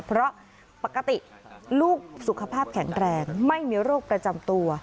เพราะปกติลูกสุขภาพแข็งแรงไม่มีโรคประจำตัว